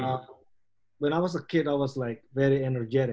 saat saya masih kecil saya sangat energetik